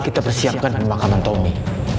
kita persiapkan pemakaman tommy